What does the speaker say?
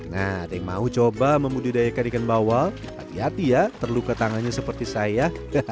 nah ada yang mau coba membudidayakan ikan bawal hati hati ya terluka tangannya seperti saya